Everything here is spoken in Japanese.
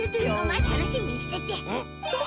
まあたのしみにしてて。